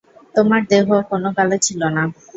তোমার দেহ কোন কালে ছিল না।